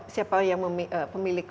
siapa yang memilih